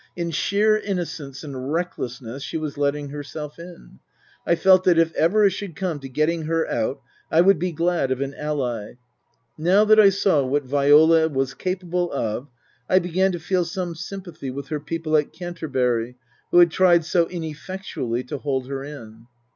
In sheer innocence and recklessness she was letting herself in. I felt that if ever it should come to getting her out I would be glad of an ally. Now that I saw what Viola was capable of, I began to feel some sympathy with her people at Canter bury who had tried so ineffectually to hold her in.